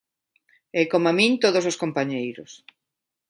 E coma min todos os compañeiros.